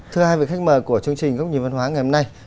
thưa hai vị khách mời của chương trình góc nhìn văn hóa ngày hôm nay